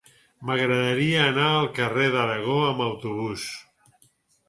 M'agradaria anar al carrer d'Aragó amb autobús.